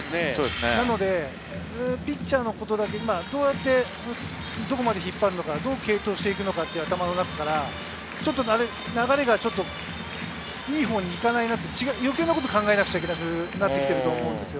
なのでピッチャーのことだけどこまで引っ張るのか、どう継投していくのかっていう頭の中から、流れがちょっといいほうに行かないな、余計なことを考えなくちゃいけなくなってるんですよ。